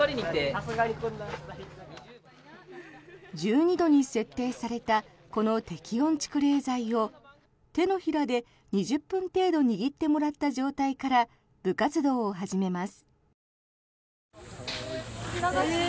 １２度に設定されたこの適温蓄冷材を手のひらで２０分程度握ってもらった状態から部活動を始めます。